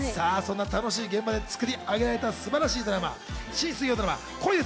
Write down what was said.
そんな楽しい現場で作り上げられた素晴らしい新水曜ドラマ『恋です！